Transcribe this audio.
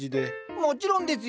もちろんですよ。